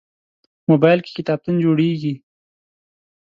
موبایل کې کتابتون جوړېږي.